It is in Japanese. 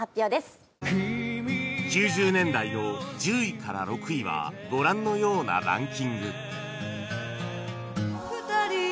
９０年代の１０位から６位はご覧のようなランキング